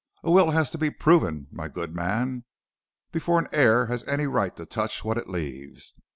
A will has to be proven, my good man, before an heir has any right to touch what it leaves.